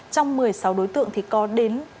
trong một mươi sáu đối tượng thì có đến